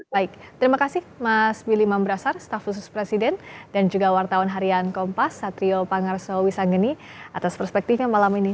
baik terima kasih mas willy mambrasar staf khusus presiden dan juga wartawan harian kompas satrio pangarso wisangeni atas perspektifnya malam ini